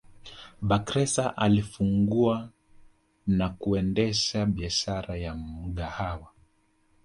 Bakhresa alifungua na kuendesha biashara ya Mgahawa